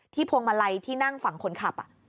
พวงมาลัยที่นั่งฝั่งคนขับ